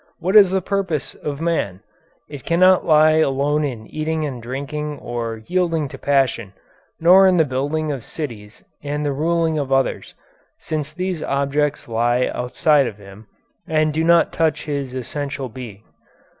What is the purpose of man? It cannot lie alone in eating and drinking or yielding to passion, nor in the building of cities and the ruling of others, since these objects lie outside of him, and do not touch his essential being.